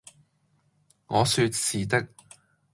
」我説「是的。」